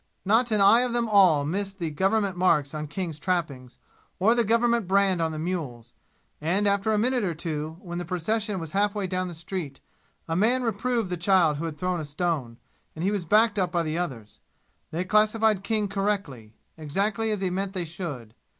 Not an eye of them all missed the government marks on King's trappings, or the government brand on the mules, and after a minute or two, when the procession was half way down the street, a man reproved the child who had thrown a stone, and he was backed up by the others. They classified King correctly, exactly as he meant they should.